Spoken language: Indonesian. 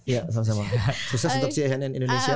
ya sama sama sukses untuk cnn indonesia